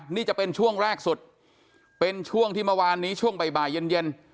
นี่จะเป็นช่วงแรกสุดเป็นช่วงที่เมื่อวานนี้ช่วงบ่ายเย็น